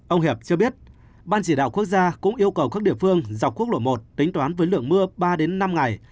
ông hiệp cho biết ban chỉ đạo quốc gia cũng yêu cầu các địa phương dọc quốc lộ một tính toán với lượng mưa ba năm ngày